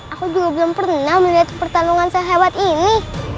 aku juga belum pernah melihat pertarungan sehebat ini